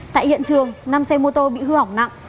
tại hiện trường năm xe mô tô bị hư hỏng nặng